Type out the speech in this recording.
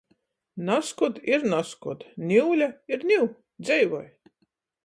Nazkod ir nazkod. Niule ir niu. Dzeivoj!